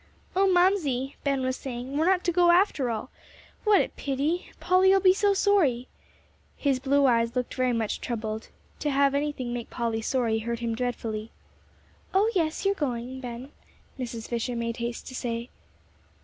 "Oh, Mamsie!" Ben was saying, "we're not to go, after all. What a pity! Polly'll be so sorry." His blue eyes looked very much troubled. To have anything make Polly sorry hurt him dreadfully. "Oh, yes, you are going, Ben," Mrs. Fisher made haste to say.